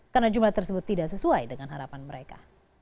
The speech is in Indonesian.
karena jumlah tersebut tidak sesuai dengan harapan mereka